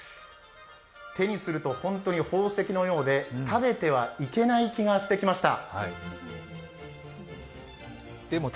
手にすると本当に宝石のようで食べてはいけない気がしてきました。